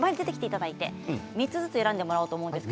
３つずつ選んでもらおうと思います。